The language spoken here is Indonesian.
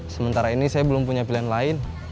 sementara ini saya belum punya pilihan lain